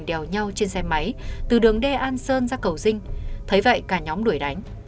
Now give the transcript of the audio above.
đèo nhau trên xe máy từ đường d an sơn ra cầu dinh thấy vậy cả nhóm đuổi đánh